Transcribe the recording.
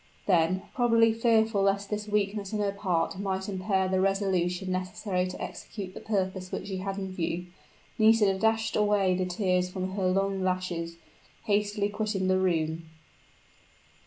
Then probably fearful lest this weakness on her part might impair the resolution necessary to execute the purpose which she had in view Nisida dashed away the tears from her long lashes, hastily quitted the room.